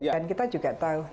dan kita juga tahu